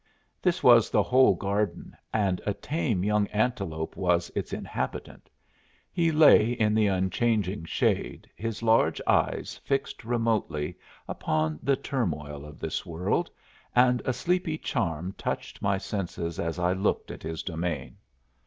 This was the whole garden, and a tame young antelope was its inhabitant. He lay in the unchanging shade, his large eyes fixed remotely upon the turmoil of this world, and a sleepy charm touched my senses as I looked at his domain.